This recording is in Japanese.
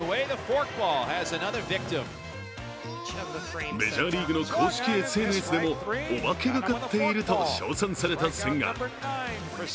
次々と三振を奪い、実況もメジャーリーグの公式ＳＮＳでもお化けがかっていると称賛された千賀。